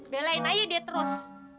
belain aja dia terus